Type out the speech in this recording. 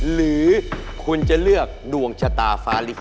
หรือคุณจะเลือกดวงชะตาฟ้าลิก